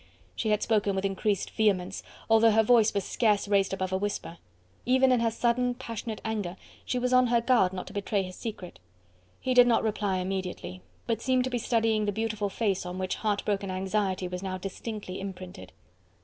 She had spoken with increased vehemence, although her voice was scarce raised above a whisper. Even in her sudden, passionate anger she was on her guard not to betray his secret. He did not reply immediately, but seemed to be studying the beautiful face on which heartbroken anxiety was now distinctly imprinted.